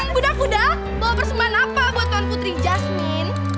pudak pudak bawa persembahan apa buat tuan putri jasmine